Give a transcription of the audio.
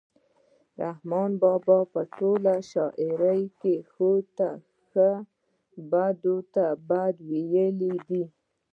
رحمان بابا په ټوله شاعرۍ کې ښو ته ښه بدو ته بد ویلي دي.